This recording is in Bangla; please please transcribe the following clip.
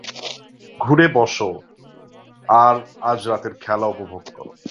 ঘুরে বস আর আজ রাতের খেলা উপভোগ কর।